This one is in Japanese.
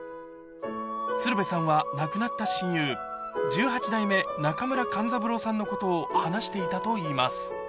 鶴瓶さんは亡くなった親友、十八代目中村勘三郎さんのことを話していたといいます。